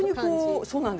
そうなんですよね。